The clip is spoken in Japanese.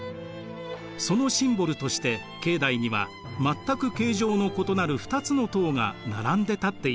そのシンボルとして境内には全く形状の異なる２つの塔が並んで建っています。